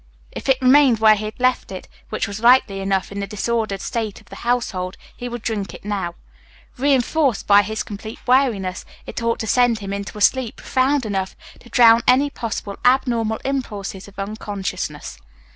If it remained where he had left it, which was likely enough in the disordered state of the household, he would drink it now. Reinforced by his complete weariness, it ought to send him into a sleep profound enough to drown any possible abnormal impulses of unconsciousness.